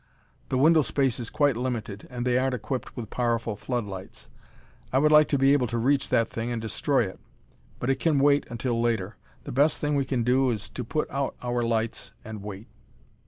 The window space is quite limited and they aren't equipped with powerful floodlights. I would like to be able to reach that thing and destroy it, but it can wait until later. The best thing we can do is to put out our lights and wait."